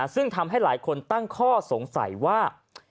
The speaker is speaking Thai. ซึ่งทำให้หลายคนตั้งข้อสงสัยว่า